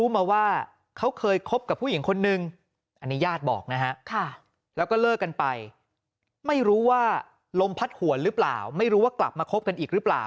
มัดห่วนหรือเปล่าไม่รู้ว่ากลับมาคบกันอีกหรือเปล่า